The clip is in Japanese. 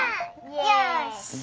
よし！